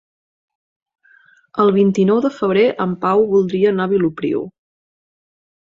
El vint-i-nou de febrer en Pau voldria anar a Vilopriu.